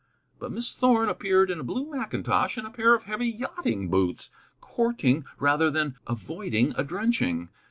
But Miss Thorn appeared in a blue mackintosh and a pair of heavy yachting boots, courting rather than avoiding a drenching.